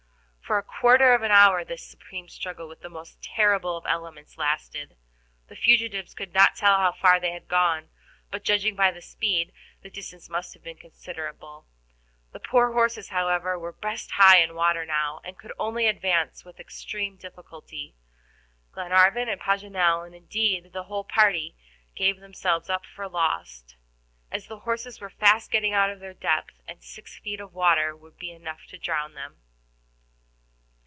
For a quarter of an hour this supreme struggle with the most terrible of elements lasted. The fugitives could not tell how far they had gone, but, judging by the speed, the distance must have been considerable. The poor horses, however, were breast high in water now, and could only advance with extreme difficulty. Glenarvan and Paganel, and, indeed, the whole party, gave themselves up for lost, as the horses were fast getting out of their depth, and six feet of water would be enough to drown them.